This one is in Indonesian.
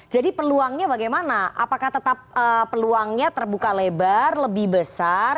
jadi peluangnya bagaimana apakah tetap peluangnya terbuka lebar lebih besar